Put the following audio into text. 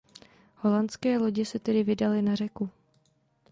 Holandské lodě se tedy vydaly na řeku.